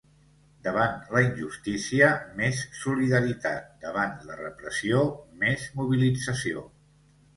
Davant la injustícia, més solidaritat; davant la repressió, més mobilització.